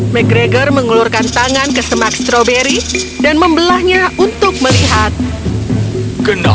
mcgregor mengulurkan tangan ke semak stroberi dan membelahnya untuk menangkapnya